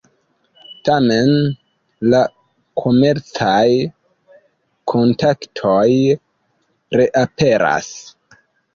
Tamen, la komercaj kontaktoj reaperas.